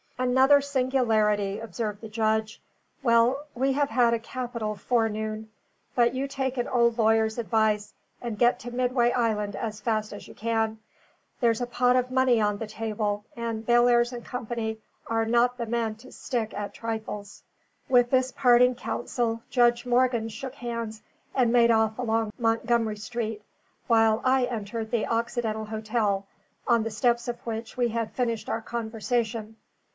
"Another singularity," observed the judge. "Well, we have had a capital forenoon. But you take an old lawyer's advice, and get to Midway Island as fast as you can. There's a pot of money on the table, and Bellairs and Co. are not the men to stick at trifles." With this parting counsel Judge Morgan shook hands and made off along Montgomery Street, while I entered the Occidental Hotel, on the steps of which we had finished our conversation.